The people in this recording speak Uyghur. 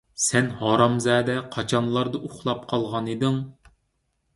سەن ھارامزادە قاچانلاردا ئۇخلاپ قالغانىدىڭ؟